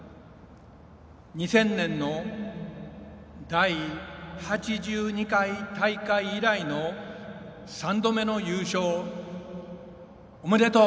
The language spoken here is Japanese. ２０００年の第８２回大会以来の３度目の優勝おめでとう。